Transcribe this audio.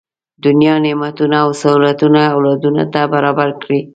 دنیا نعمتونه او سهولتونه اولادونو ته برابر کړي.